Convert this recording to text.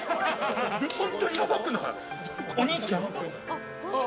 本当にやばくない？